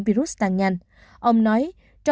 virus tăng nhanh ông nói